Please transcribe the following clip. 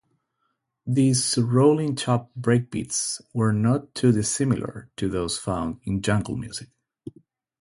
These rolling chopped breakbeats were not too dissimilar to those found in jungle music.